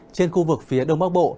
trên khu vực phía đông bắc bộ